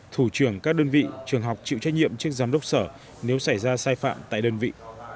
thủ trưởng các đơn vị trường học chịu trách nhiệm trước giám đốc sở nếu xảy ra sai phạm tại đơn vị